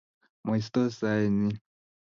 Maisto saet nyin.